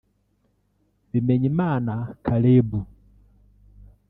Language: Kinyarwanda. Bimenyimana Caleb